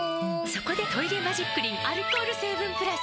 そこで「トイレマジックリン」アルコール成分プラス！